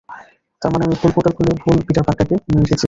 তারমানে আমি ভুল পোর্টাল খুলে ভুল পিটার পার্কারকে নিয়ে এসেছি।